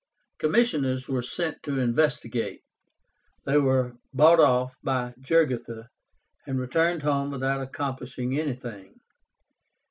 Commissioners were sent to investigate. They were bought off by Jugurtha, and returned home without accomplishing anything.